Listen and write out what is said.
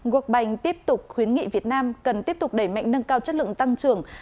world bank tiếp tục khuyến nghị việt nam cần tiếp tục đẩy mạnh nâng cao chất lượng tăng trưởng